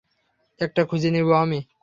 একটা খুঁজে নিব আমি।